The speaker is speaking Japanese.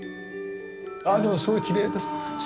ああでもすごいきれいです。